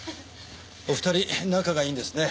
お二人仲がいいんですね。